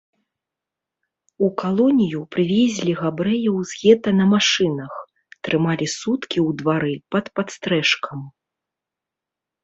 У калонію прывезлі габрэяў з гета на машынах, трымалі суткі ў двары пад падстрэшкам.